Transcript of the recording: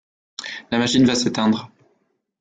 La machine va s’éteindre.